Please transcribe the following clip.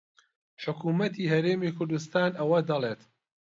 حکوومەتی هەرێمی کوردستان ئەوە دەڵێت